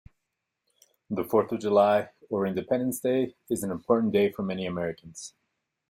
The fourth of July, or Independence Day, is an important day for many Americans.